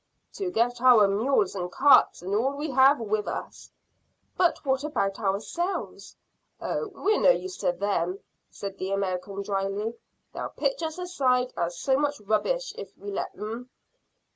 "To get our mules and carts, and all we have with us." "But what about ourselves?" "Oh, we're no use to them," said the American dryly. "They'll pitch us aside as so much rubbish if we'll let 'em."